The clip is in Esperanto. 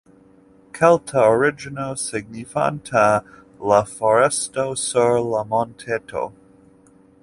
Kelta origino signifanta "la fortreso sur la monteto".